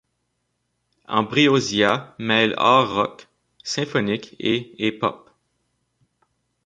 Ambrosia mêle art rock symphonique et et pop.